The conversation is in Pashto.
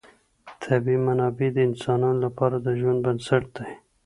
طبیعي منابع د انسانانو لپاره د ژوند بنسټ دی.